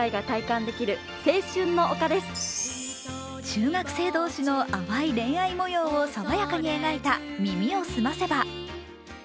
中学生同士の淡い恋愛模様を爽やかに描いた「耳をすませば」。